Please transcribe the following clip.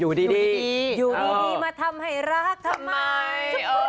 อยู่ดีมาทำให้รักทำไม